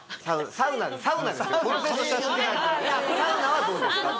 サウナはどうですか？